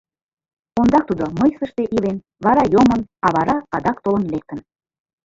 Ондак тудо мыйсыште илен, вара йомын, а вара адак толын лектын.